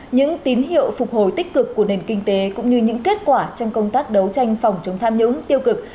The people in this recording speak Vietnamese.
những tín hiệu phục hồi tích cực của nền kinh tế cũng như những kết quả trong công tác đấu tranh phòng chống tham nhũng tiêu cực